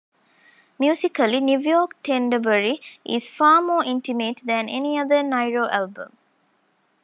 Musically, "New York Tendaberry" is far more intimate than any other Nyro album.